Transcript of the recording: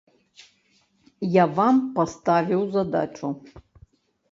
Я вам паставіў задачу.